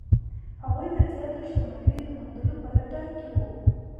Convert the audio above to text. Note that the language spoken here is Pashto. هغوی د زیاتو شتمنیو د موندلو په لټه کې وو.